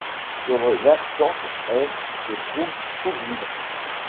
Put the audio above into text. Sur le versant est se trouve Cookville.